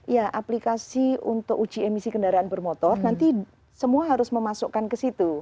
ya aplikasi untuk uji emisi kendaraan bermotor nanti semua harus memasukkan ke situ